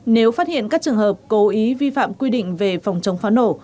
nếu phát hiện các trường hợp cố ý vi phạm quy định về phòng chống pháo nổ